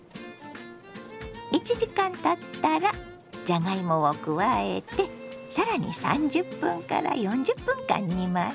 １時間たったらじゃがいもを加えて更に３０分から４０分間煮ます。